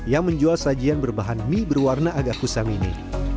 yang menjual sajian berbahan mie berwarna agak kusam ini